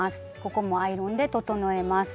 ここもアイロンで整えます。